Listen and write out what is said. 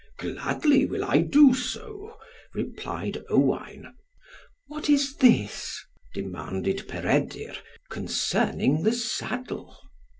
"Gladly will I do so," replied Owain. "What is this?" demanded Peredur, concerning the saddle.